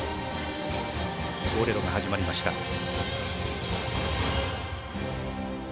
「ボレロ」が始まりました。